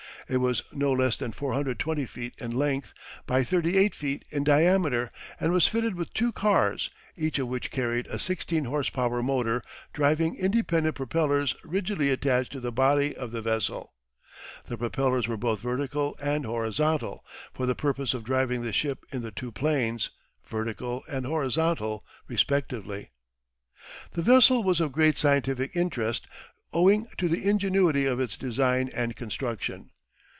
It was no less than 420 feet in length, by 38 feet in diameter, and was fitted with two cars, each of which carried a sixteen horse power motor driving independent propellers rigidly attached to the body of the vessel. The propellers were both vertical and horizontal, for the purpose of driving the ship in the two planes vertical and horizontal respectively. The vessel was of great scientific interest, owing to the ingenuity of its design and construction.